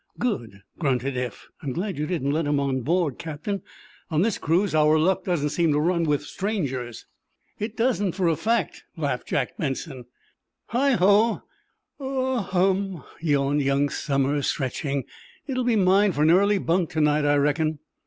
"Good!" grunted Eph. "I'm glad you didn't let him on board, Captain. On this cruise our luck doesn't seem to run with strangers." "It doesn't, for a fact," laughed Jack Benson. "Hi, ho—ah, hum!" yawned young Somers, stretching. "It will be mine for early bunk to night, I reckon."